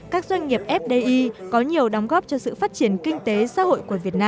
các doanh nghiệp fdi có nhiều đóng góp cho sự phát triển kinh tế xã hội của việt nam